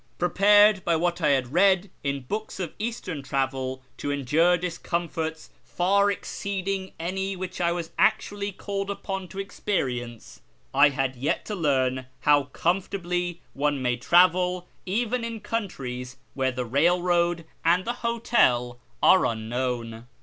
Prepared by what I had read in books of Eastern travel to endure discomforts far exceeding any which I was actually called upon to experience, I had yet to learn how comfortably one may travel even in countries where the rail road and the hotel are unknown.